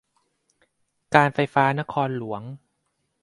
การไฟฟ้านครหลวง